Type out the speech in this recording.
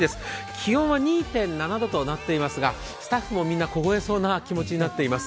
気温は２．７度となっていますがスタッフもみんな凍えそうな気持ちになっています。